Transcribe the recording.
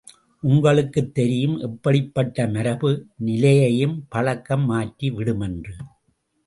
உங்களுக்குத் தெரியும் எப்படிப்பட்ட மரபு நிலையையும் பழக்கம் மாற்றி விடுமென்று.